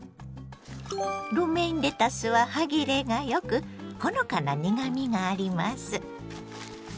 ロメインレタスは歯切れがよくほのかな苦みがあります。